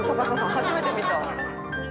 初めて見た」